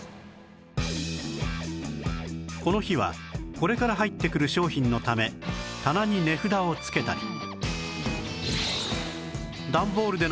この日はこれから入ってくる商品のため棚に値札を付けたり